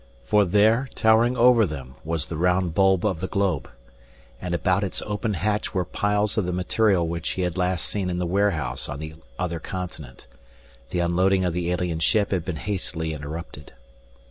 For there, towering over them was the round bulb of the globe. And about its open hatch were piles of the material which he had last seen in the warehouse on the other continent. The unloading of the alien ship had been hastily interrupted.